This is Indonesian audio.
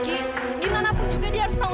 gimana pun juga dia harus tahu